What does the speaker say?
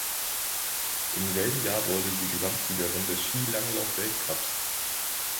Im selben Jahr wurde sie Gesamtsiegerin des Skilanglauf-Weltcups.